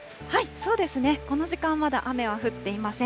そうですね、この時間、まだ雨は降っていません。